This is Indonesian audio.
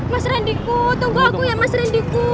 mas randiku tunggu aku ya mas rendikku